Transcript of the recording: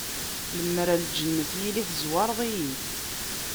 Lemmer ar lǧennet, yili tezwareḍ-iyi.